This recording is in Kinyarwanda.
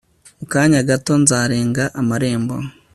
mu kanya gato nzarenga amarembo